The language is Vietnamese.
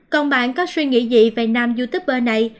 còn bạn có suy nghĩ gì về nam youtuber này